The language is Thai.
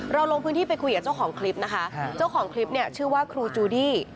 ลงพื้นที่ไปคุยกับเจ้าของคลิปนะคะเจ้าของคลิปเนี่ยชื่อว่าครูจูดี้